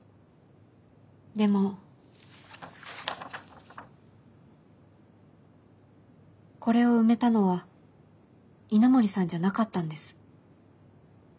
でもこれを埋めたのは稲森さんじゃなかったんです。